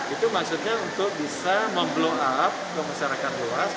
itu maksudnya untuk bisa memblow up ke masyarakat luas